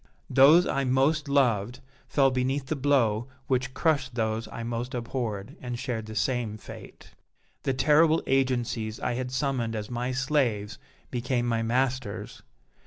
Those I most loved fell beneath the blow which crushed those I most abhorred, and shared the same fate. The terrible agencies I had summoned as my slaves became my masters.